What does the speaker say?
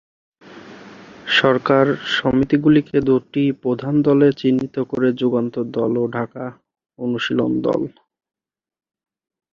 সরকার সমিতিগুলিকে দুটি প্রধান দলে চিহ্নিত করে- যুগান্তর দল ও ঢাকা অনুশীলন দল।